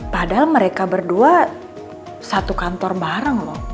padahal mereka berdua satu kantor bareng loh